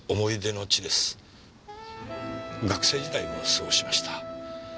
学生時代を過ごしました。